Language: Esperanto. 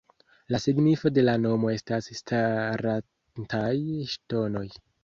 La signifo de la nomo estas ""starantaj ŝtonoj"".